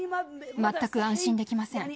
全く安心できません。